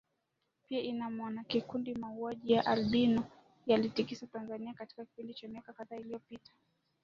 pia ni mwanakikundi Mauaji ya Albino yalitikisa Tanzania katika kipindi cha miaka kadhaa iliyopita